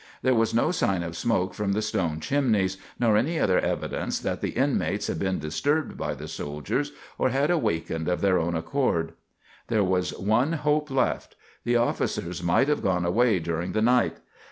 There was no sign of smoke from the stone chimneys, nor any other evidence that the inmates had been disturbed by the soldiers or had awakened of their own accord. There was one hope left. The officers might have gone away during the night.